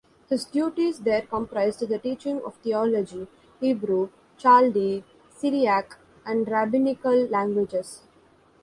His duties there comprised the teaching of theology, Hebrew, Chaldee, Syriac and Rabbinical languages.